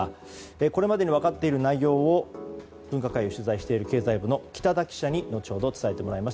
これまでに分かっている内容を、分科会を取材している経済部の北田記者に後ほど伝えてもらいます。